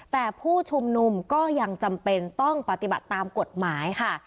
แต่ผู้ชุมนุมก็ยังจำเป็นต้องปฏิบัติตามกฎหมายค่ะ